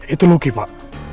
itu luki pak